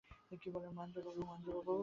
রঘুপতি কহিলেন, তোমার প্রতি মায়ের আদেশ আছে।